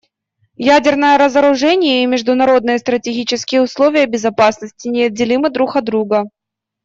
Ядерное разоружение и международные стратегические условия безопасности неотделимы друг от друга.